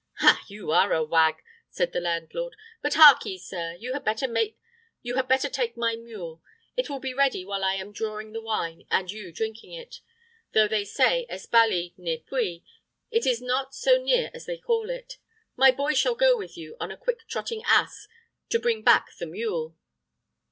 "Ha, you are a wag!" said the landlord; "but harkee, sir; you had better take my mule. It will be ready while I am drawing the wine, and you drinking it. Though they say, 'Espaly, near Puy,' it is not so near as they call it. My boy shall go with you on a quick trotting ass to bring back the mule."